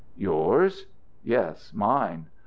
"Yours?" "Yes, mine.